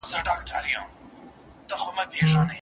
اکراه په لغت او اصطلاح کې څه ته وايي؟